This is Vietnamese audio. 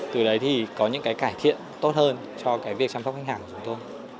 từ đấy thì có những cải thiện tốt hơn cho việc chăm sóc khách hàng của chúng tôi